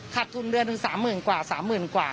ทุนเดือนหนึ่ง๓๐๐๐กว่า๓๐๐๐กว่า